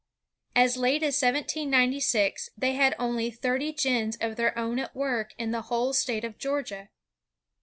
As late as 1796, they had only thirty gins of their own at work in the whole state of Georgia.